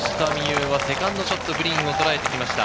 有はセカンドショット、グリーンをとらえてきました。